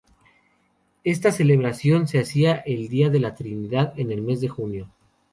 Esta celebración se hacía el día de La Trinidad, en el mes de junio.